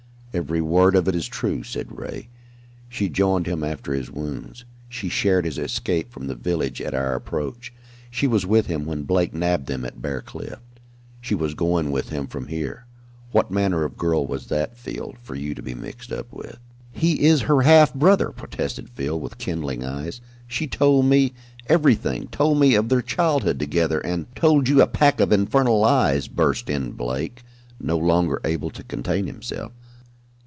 "Every word of it is true," said Ray. "She joined him after his wounds. She shared his escape from the village at our approach. She was with him when Blake nabbed them at Bear Cliff. She was going with him from here. What manner of girl was that, Field, for you to be mixed up with?" "He is her half brother!" protested Field, with kindling eyes. "She told me everything told me of their childhood together, and " "Told you a pack of infernal lies!" burst in Blake, no longer able to contain himself.